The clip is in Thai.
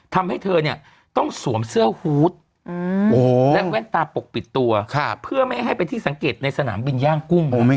ทำให้เธอเนี่ยต้องสวมเสื้อฮูตและแว่นตาปกปิดตัวเพื่อไม่ให้เป็นที่สังเกตในสนามบินย่างกุ้ง